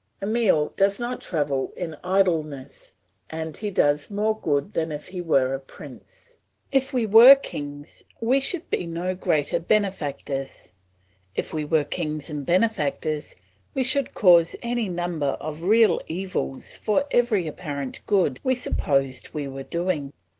Emile does not travel in idleness and he does more good than if he were a prince. If we were kings we should be no greater benefactors. If we were kings and benefactors we should cause any number of real evils for every apparent good we supposed we were doing.